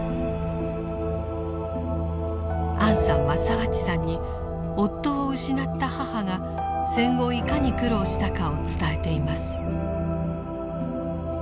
アンさんは澤地さんに夫を失った母が戦後いかに苦労したかを伝えています。